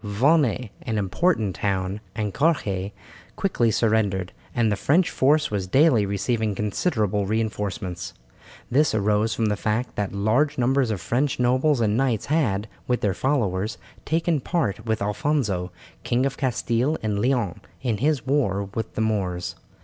Vannes, an important town, and Carhaix quickly surrendered, and the French force was daily receiving considerable reinforcements. This arose from the fact that large numbers of French nobles and knights had, with their followers, taken part with Alfonso, King of Castile and Leon, in his war with the Moors.